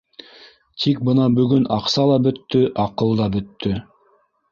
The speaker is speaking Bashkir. Тик бына бөгөн аҡса ла бөттө, аҡыл да бөттө.